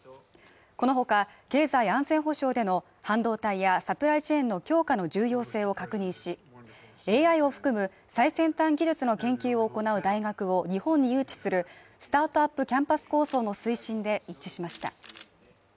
この他経済安全保障での半導体やサプライチェーンの強化の重要性を確認しＡＩを含む最先端技術の研究を行う大学を日本に誘致するスタートアップキャンパス構想の推進で一致しました。